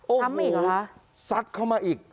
โอ้โหซัดเข้ามาอีก